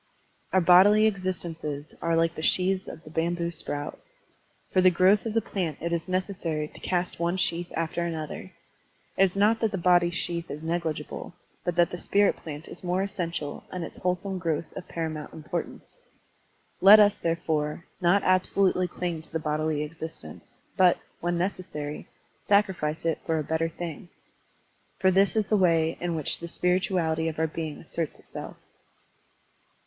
Our bodily existences are like the sheaths of the bamboo sprout. For the growth of the plant it is necessary to cast one sheath after another. It is not that the body sheath is negligible, but that the spirit plant is more essen tial and its wholesome growth of paramount importance. Let us, therefore, not absolutely cUng to the bodily existence, but, when necessary, sacrifice it for a better thing. For this is the way in which the spirituality of our being asserts itself.